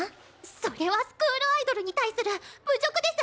それはスクールアイドルに対する侮辱デス！